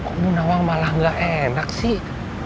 kok bundawang malah gak enak sih